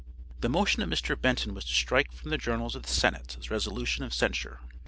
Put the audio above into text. The motion of Mr. Benton was to strike from the journals of the senate this resolution of censure.